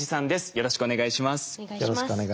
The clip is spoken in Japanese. よろしくお願いします。